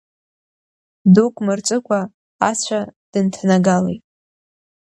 Дук мырҵыкәа ацәа дынҭанагалеит…